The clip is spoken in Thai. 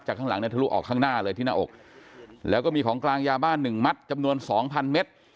จากข้างหลังทะลุออกข้างหน้าเลยที่หน้าอกแล้วก็มีของกลางยาบ้าน๑มัตต์จำนวน๒๐๐๐เมตร